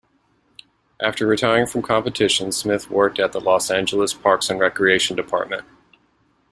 After retiring from competitions Smith worked at the Los Angeles Parks and Recreation Department.